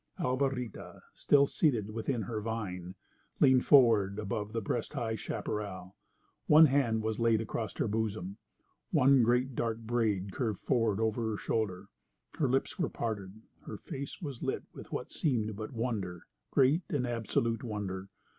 Alvarita, still seated within her vine, leaned forward above the breast high chaparral. One hand was laid across her bosom. One great dark braid curved forward over her shoulder. Her lips were parted; her face was lit with what seemed but wonder—great and absolute wonder.